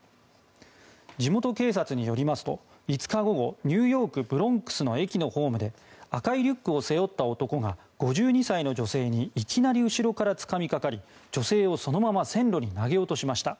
地元警察によりますと５日午後ニューヨーク・ブロンクスの駅のホームで赤いリュックを背負った男が５２歳の女性にいきなり後ろからつかみかかり女性をそのまま線路に投げ落としました。